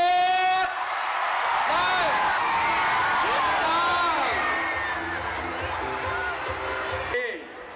เยี่ยมมาก